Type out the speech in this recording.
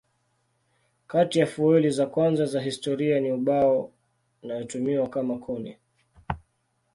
Kati ya fueli za kwanza za historia ni ubao inayotumiwa kama kuni.